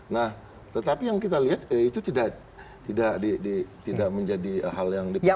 nah tetapi yang kita lihat itu tidak menjadi hal yang diperlukan